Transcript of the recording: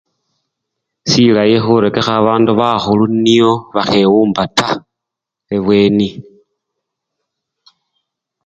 Silayi khurekekha babandu bakhulu nyo bakhewumba taa ebwenii